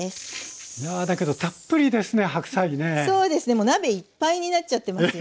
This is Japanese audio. もう鍋いっぱいになっちゃってますよね。